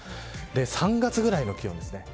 ３月ぐらいの気温ですね。